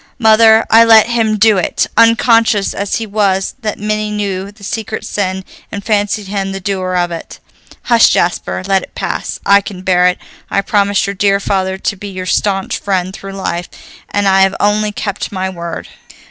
Mother, I let him do it, unconscious as he was that many knew the secret sin and fancied him the doer of it." "Hush, Jasper, let it pass. I can bear it; I promised your dear father to be your staunch friend through life, and I have only kept my word."